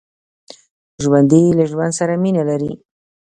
ژوندي له ژوند سره مینه لري